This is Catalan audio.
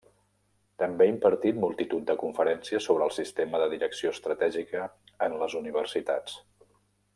També ha impartit multitud de conferències sobre el sistema de direcció estratègica en les universitats.